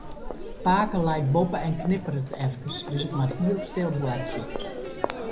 Pake leit boppe en knipperet efkes, dus ik moat hiel stil boartsje.